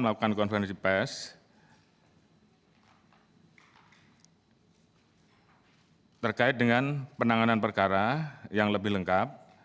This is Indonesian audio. melakukan konferensi pes terkait dengan penanganan perkara yang lebih lengkap